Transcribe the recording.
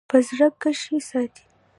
په زړه کښې ساتي--